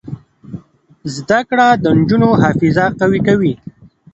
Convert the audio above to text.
زده کړه د نجونو حافظه قوي کوي.